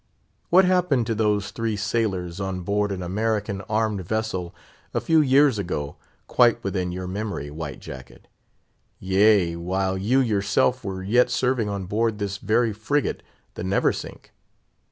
What happened to those three sailors on board an American armed vessel a few years ago, quite within your memory, White Jacket; yea, while you yourself were yet serving on board this very frigate, the Neversink?